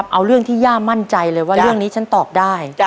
เอาเรื่องที่ย่ามั่นใจเลยว่าเรื่องนี้ฉันตอบได้